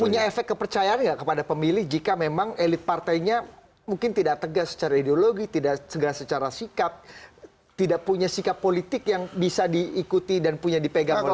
punya efek kepercayaan tidak kepada pemilih jika memang elit partainya mungkin tidak tegas secara ideologi tidak tegas secara sikap tidak punya sikap politik yang bisa diikuti dan punya dipegang oleh